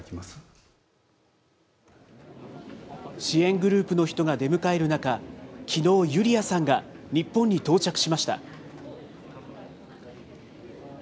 支援グループの人が出迎える中、きのう、ユリアさんが日本に到着しました。